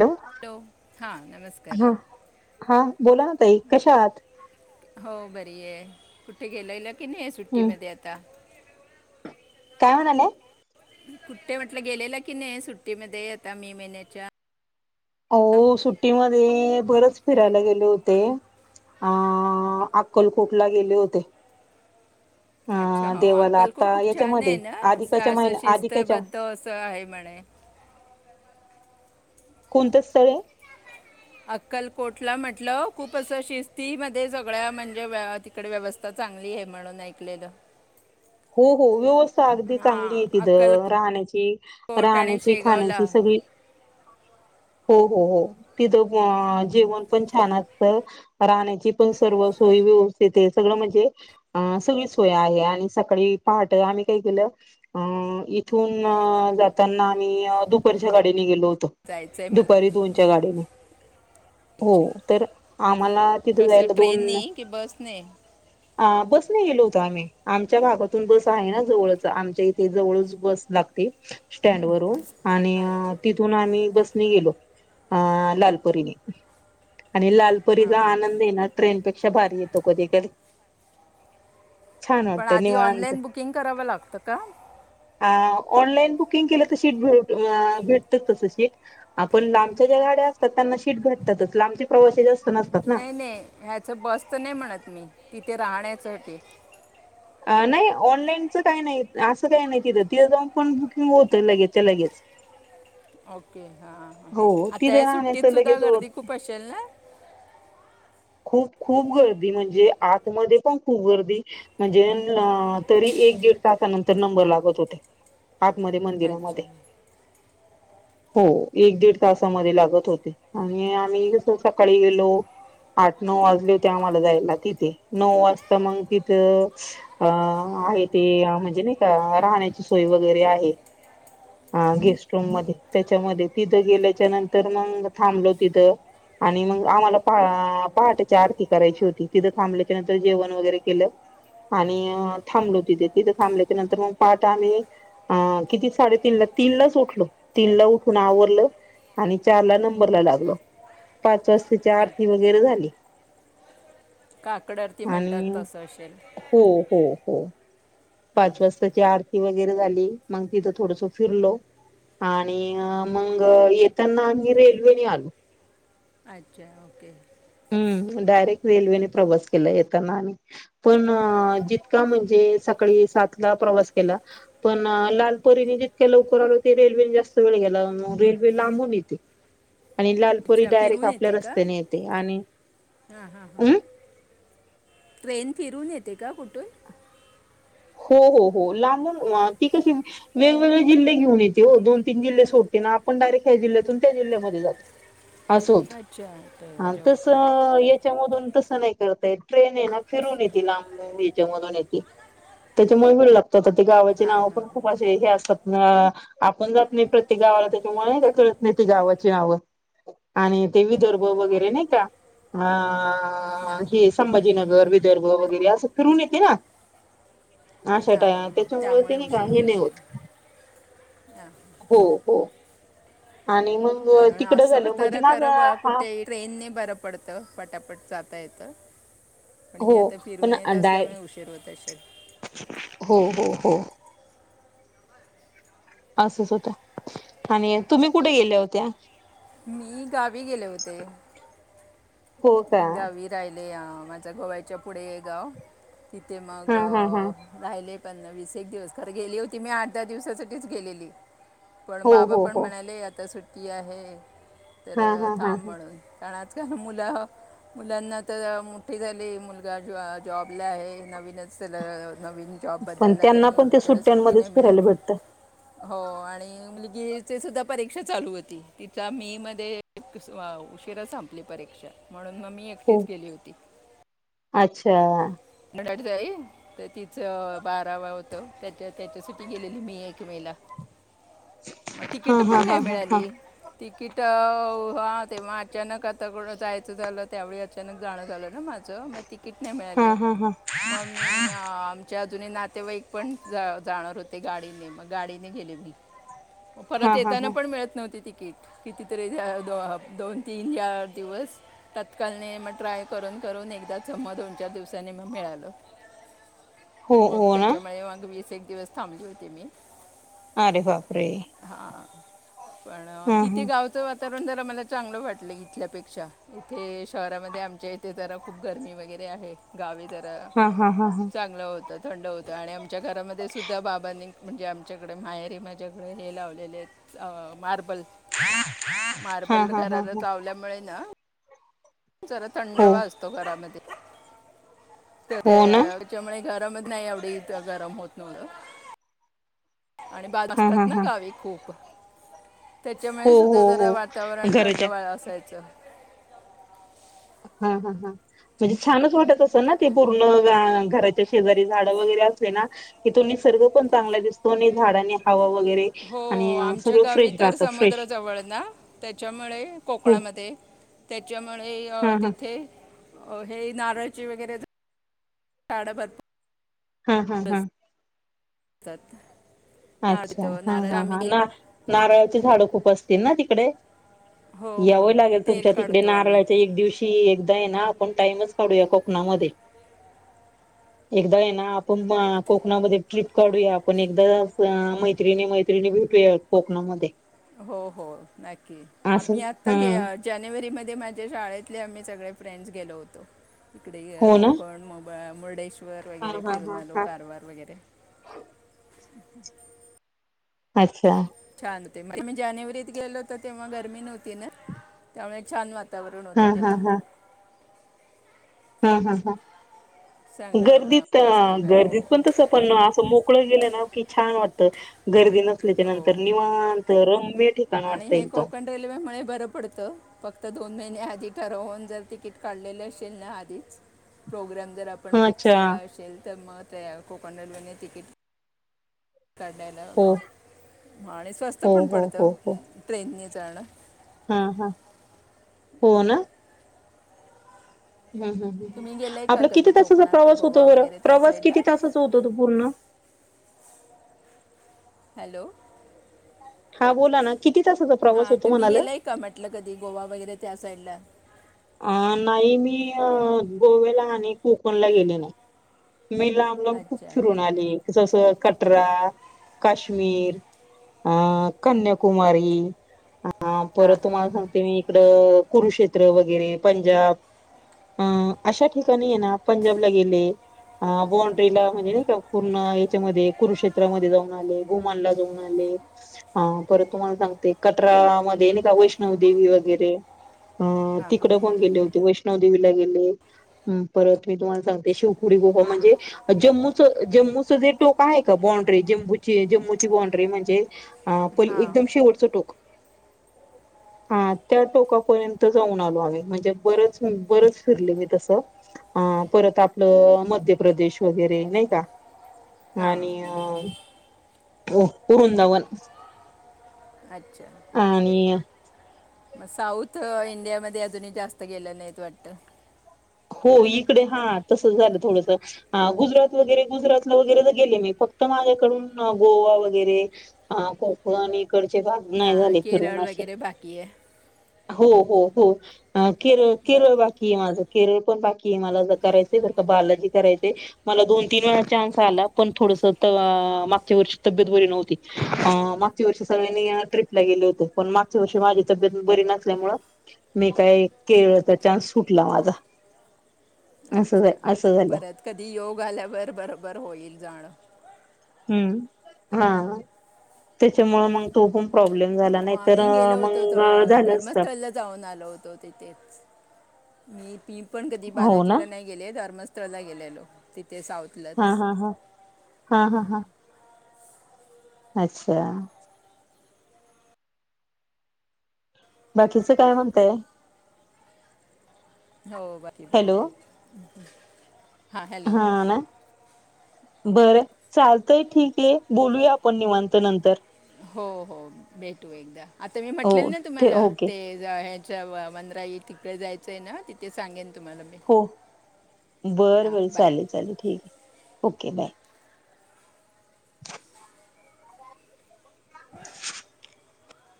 Hello. हा नमस्कार. हा हा बोला ना ताई कशा आहात? हो बरी आहे. कुठे गेलेला की नाही हम्म सुट्टीमध्ये आता? काय म्हणालेय? कुठे म्हटलं गेलेलं की नाही सुट्टीमध्ये आता मे महिन्याच्या? हो सुट्टीमध्ये बरेच फिरायला गेले होते अ अक्कलकोटला गेले होते. अ [unintelligible] अच्छा. हो देवाला अक्कलकोट आता खूप छान आहे याच्यामध्ये ना अधिकाच्या असं महिन्या अधिकाच्या शिस्तबद्ध असं आहे म्हणे. [unintelligible] कोणतं स्थळ आहे? अक्कलकोटला म्हटलं खूप असं शिस्ती मध्ये सगळ्या म्हणजे तिकडे व्यवस्था चांगली आहे म्हणून ऐकलेलं. हो हो. व्य अगदी चांगली हां आहे तिथं अक्कलकोट राहण्याची आणि राहण्याची, शेगावला खाण्याची सगळी [inaudible] हो हो हो. तिथं जेवण पण छान असत राहण्याची पण सर्व सोय व्यवस्थित आहे सगळं म्हणजे सगळी सोय आहे. आ सकाळी पहाट आम्ही काही केलं अ इथून जातना आम्ही दुप च्या हो गाडीने गेलो होतो, जायचं आहे मला दुपारी दोनच्या गाडीने. हो. अच्छा तर आम्हाला तिथं कसं जायला ट्रेनने दोन की बसने ह बस नाही गेलो होतो आम्ही. आमच्या भागातून बस आहे ना जवळच आमच्या इथे जवळच बस लागते स्टँडवररून आणि अच्छा तिथून आम्ही बसने गेलो अ लालपरीने. आणि लालपरीचा आनंद येना ट्रेनपेक्षा भारी येत. त कधी छान पण वाटतं आधी निवांत ऑनलाईन बुकिंग करावं लागतं का आ ऑनलाईन बु बुकिंग केलं तर भेटत तस शीट, आपण लांबच्या ज्या गाड्या असतात त्यांना शीट भेतात. तसं लांबचे प्रवासी जा नाही नाही. ह्याच बसच नाही म्हणत मी. तिथे राहण्याच. नाही. ऑनलाईनच काही नाही असं काही नाही तिथं तिथं जाऊन पण बुकिंग होतं लगेचच्या लगेच. [unintelligible] ओके. हा हो आता तिथे या सुट्टीत राहण्याचं सुद्धा लगेच होत. गर्दी खूप असेल ना? खूप खूप गर्दी म्हणजे आतमध्ये पण खूप गर्दी म्हणजे तरी एक दीड तासानंतर नंबर लागत होते, आतमध्ये अच्छा मंदिरामध्ये. हो. एक दीड तासामध्ये लागत होते आणि आम्ही जस सकाळी गेलो आठ, नऊ वाजल्या होते आम्हाला जायला तिथे, नऊ वाजता मग तिथं अ ते म्हणजे नाही का राहण्याची सोय वगैरे आहे. हा गेस्ट रूम मध्ये त्याच्यामध्ये तिथं गेल्याच्या नंतर मग थांबलो तिथं. आणि मग आम्हाला पाठच्या आरती करायची होती, तिथं थांबल्याच्या नंतर जेवण वगैरे केलं. आणि थांबलो तिथे तिथे थांबल्या नंतर मग पाठ आम्ही अ किती साडेतीन ला तीन लाच उठल तीन ला उठून आवरलं आणि चार ला नंबरला लागलं. पाच वाजताची आरती वगैरे झाली काकडरती म्हणतात आणि तसं असेल हो हो हो पाच वाजताची आरती वगैरे झाली मग तिथं थोडस फिरलो आणि मग येताना आम्ही रेल्वेने आलो अच्छा ओके हम् डायरेक्ट रेल्वेने प्रवास केला येताना आणि पण जितका म्हणजे सळी सात प्रवास के पण लालपरी जितक्या लवकर आल रेवेस्त वेळ गेला रेल्वे लांबून येते ह आणि लालपुरी डायरेक्ट आपल्या रस्त्याने येते आणि हा हा ह अं ट्रेन फिरून येते तेका कुठून हो हो हो लाबून ती कशी वेगवेगळे जिल्हे घेऊन येते हो दोन तीन जिल्हे सोडते आपण डायरे ह्या जिल्ह्यातून त्या जल्ह्यामध्ये जातो असोत अच्छा ट्रेन आणि अच्छा तस ओके याच्यामधून तस नाही करताय ट्रेन आहे ना फिरून येते लांबज मधून येते त्याच्यामुळेळ ते गावाचे हां नाव हां पण खूप असे हे असतात अ आपण जात नाही प्रत्येक गावाला त्याच्यामुळे का कळत नाही त गावाची नावं आणि ते विदर्भ वगैरे नाही का ह हां हे संभाजीनगर विदर्भ वगैरे असं फिरून येते ना ह अशा टाय त्याच्यामुळे हो ते नाही का हे नाही होत हां हो हो आणि मग कारण तिकडं असं झालं तर म्हणजे खरं माझा ब हा कुठे ट्रेन ने बरं पडतं पटापट ता येतोय पण हि हो आता फिरू पण येत डाय असल्यामुळे उशीर होत असेल हो हो हो [unintelligible] आसच होत आणि तुम्ही कुठ गेल्या होत्या मी गावी गेले होते हो का [unintelligible] माझ्या गोव्याच्या पुढेय गाव तिथे मग हा हा हा राहिले [unintelligible] वीस एक दिवस खरं गेली होती मी आठ दहा दिवसासाठीच गेलेली पण हो बाबा हो पण हो म्हणाले आता सुट्टी आहे तर हा हा हा थांब म्हणून कारण आ त्या मुलं [unintelligible] मुलांना तर मोठी झाली मुलगा जॉ- जॉबला आहे नवीनच [unintelligible] नवीन जॉब पण बदलला त्यांना त्यानी पण ते त्याला सुट्टी नाही सुट्ट्यांमध्येच फिरायला मिळाली भेटतं. हो आणि [unintelligible] गेचेसुद्धा परीक्षा चालू होती तिथला मीमध्ये उशिरा संपली परीक्षा म्हणून मग मी हो एकटीच गेली होती अच्छा [unintelligible] कडड जाई तर तिचं बाराव होत त्याच्या-त्याच्यासाठी गेलेली मी एक मे ला म हा तिकीट पण हा नाही हा हा हा मिळाली तिकीट हो तेव्हा अचानक आता कोण जायचं झालं त्यावेळी अचानक जाणं झालं ना माझं मग ती किटने हा मिळाले हा हा मग मी आमच्या जुने नातेवाईक पण जा-जाणार होते गाडीने मग गाडीने गेले मी म परत हा हा येताना हा पण मिळत नव्हती ती क किती तरी दोन तीन चार दिवस तत्कालने मग ट्राय कर करून एकदा ज म दोन चार दिवसानी मग मिळालं हो मग हो ना त्याच्यामुळे मग वीस एक दिवस थांबले होते मी अरे बापरे हा पण हा तिथे हा गावच वात तरण जरा मला चांगलं वाटलं इथल्यापेक्षा इथे शहरामध्ये आमच्या इथे जरा खूप गरमी वगैरे आहे गावे जरा हा हा हा हा चांगलं होतात थंड होतं आणि आमच्या घरामध्ये सुुद्धा बाबांनी म्हणजे आमच्याकडे माहेरी माझ्याकडे हे लावलेले आहेत च अ मार्बल हा मार्बल हा हा घराला हा चावल्यामुळे ना जरा हो थंडवा असतो घरामध्ये त्या हो ना त्याच्यामुळे गरमच नाही एवढ गरम होत नवलं आणि [inaudible] बाज हा हा असतात ना हा गावी खूप हो तेच्यामुळे सुुद्धा हो जरा हो वातावरण घराच्या थंडवाळ असायचं हा हा हा म्हणजे छानच वाटत असंल ना ते पूर्ण- घराच्या शेजारी झाड वगैरे [unintelligible] निसर्ग पण चांगला दिसतो झाडा ह हो आमच्या गावी तर राहतं फ्रेश समुद्रजवळ ना त्याच्यामुळे हो कोकणामध्ये च्यामुळे हा हा तिथे हे नारळची वगैरे, झा-झाड भरपूर हा हा हा चात अच्छा हा हा हा ना-नारळाची झाडं खूप असतील ना तिकडे हो यव हो लागेल तेल तुमच्या तिकडे काढतो आम्ही नारळाच्या एक दिवशी ते एकदा येना आपण टाईमच काडूया कोकणामध्ये एकदा येना आपण -कोकणामध्ये ट्रिप काढूया आपण एकदा अ [unintelligible] मैत्रिणी मैत्रिणी भेटूया कोकणामध्ये हो हो नक्की असं आम्ही आता हा घे-जानेवारी मध्ये माझ्या शाळेतले आम्ही सगळे फ्रेंड्स गेलो होतो इकडे हो ना गोकण मोबा मुर्डेश्वर वर हा वगैरे हा फिरून हा आलो हा कारवार वगैरे अच्छा [inaudible] मी जानेवारीत गेलो होत तेव्हा गर्मी नव्हती ना त्यामुळे छान वा तावरण होतं हा तेव्हा हम्म हम्म हम् चांगलं अ, गर्दीत मस्त ब- हो गर्दीत पण तस पण असं मोकळ गेलं ना की छान वाटत गर्दी नसली त्या नंतर हो निवांत रम्य ठिकाण वाटत एकदम बत तर दोन महिने आधी ठरवून जर तिकीट काढलेलं असेल ना आधीच प्रोग्राम जर आपण फिक्स अच्छा केला असेल तर मग त्या कोकण रेल्वेने तिकीट हो काढालार मा आणि स्वस्त हो पण हो हो पडतं हो ट्रेननी जाणं हा हा हो ना हम्म हम्म हम्म तुम्ही गेलाय का आपला किती कधी तासाचा कोकणात ते प्रवास गोवा होतो बरं वगैरे त्या प्रवास साईडला किती ह तासाचा होतो तो पूर्ण हॅलो हा बोला ना किती तासाचा हा प्रवास होतो तुम्ही म्हणाला गेलाय का म्हटलं कधी गोवा वगैरे त्या चचालल अ नाही मी अ गोव्याला आणि कोकणला गेले नाही मी लांब लाब खूप अच्छा फिरून आली जसं कटरा काश्मीर अ कन्याकुमारी हा परत हां तुम्हाला सांगते मी इकडं कुरुक्षेत्र वगैरे पंजाब अं अशा ठिकाणी आहे ना पंजाबला गेले बाॉंड्रीला म्हणजे नाही का पूर्ण याच्यामध्ये कुरुक्षेत्रामध्ये जाऊन आले गोमानला जाऊन आले ह परत तुम्हाला सांगते कटरा म नाही का वैष्णव देेवी वगैरे ह तिकडे पण गेले होते वैष् वैष्ण दे गेले परत मी तुम्हाला सांते शिवुडी गो म्हणजे जम्म जम्मूे टोक आहे का बाॉ्ड्री जम्मूची जम्मूची बाॉ्ड्री म्हणजे हा हां पहि एकदम हां शेवटचं टोक हा त्या टोकापर्यंत जाऊन म्हण ब फ त आप देेश वगैरे नाही का आणि हां अ उरुंदावन अच्छा आ नाहीय मग साऊथ इंडिया मध्ये अजूनही जास्त गेलं नाहीत वाटत हो इकडे हा तसं झालं थोडस हा गुजरात वगैरे गुजरातला वगैरे तर गेले मी फक्त तर माझ्याकडून गोवा वगैरे कोकण कडचे नाही हां झाले केरळ करूने वगैरे बाकी आहे हो हो हो केरळ केरळ बाकी आहे माझं केरळ पण बाकी मला ज करायचे बालाजी करायचे मला दोन तीन चान्स आला पण थोड मागच्या वर्षी तब्येत बरी नव्हती मागच्या वर्षी सगळ्यांनी ट्र्रीपला गेले होत पण मागच्या वर्षी माझी तब्येत बरी नसल्यामुं मी काय केळचा चान्स सुटला माझा असं अच्छा असं झालं परत कधी योग आल्यावरर बरोबर होईल जाणं ह् हा त्याच्यामुळे मग तो पण प्रॉब्लेम झाला हो नाही तर आम्ही गेलो होतो मग झालं असत धर्मस्थळला जाऊन आलो होतो तिथे मी ती पण कधी हो ना बालाजीला नाही गेले धर्मस्थळ ला गेले लो हा हा हा हा हा हा अच्छा बाकीचं काय म्हणताय हो बाकी बरं हॅलो आहे हां हॅलो हा ना बरं चालतंय ठीक आहे बोलूया आपण निवांत नंतर हो हो भेटू एकदा आता मी हो म्हटलेल ना ठे तुम्हाला ओके ते मंदराई तिकडे जायचंय ना तिथे सांगेन तुम्हाला मी हो बरं हां बर बाय चालेल चालेल ठीक आहे ओके बाय [inaudible] [inaudible]